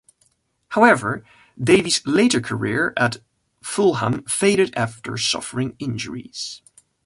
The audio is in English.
However, Davies later career at Fulham faded after suffering injuries.